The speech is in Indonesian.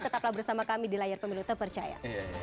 tetaplah bersama kami di layar peminuta percaya